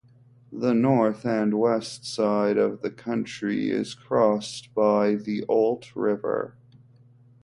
The North and West side of the county is crossed by the Olt River.